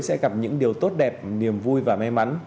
sẽ gặp những điều tốt đẹp niềm vui và may mắn